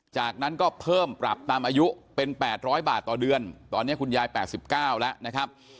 จากนั้นก็เพิ่มปรับตามอายุเป็น๘๐๐บาทต่อเดือนตอนนี้คุณยาย๘๙แล้วนะครับ